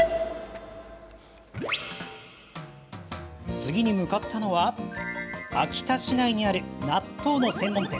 次に向かったのは秋田市内にある納豆の専門店。